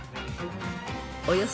［およそ